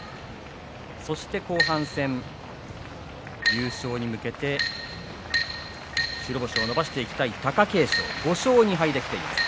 後半戦優勝に向けて白星を伸ばしていきたい貴景勝は５勝２敗です。